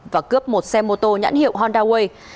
và cướp một xe mô tô nhãn hiệu honda way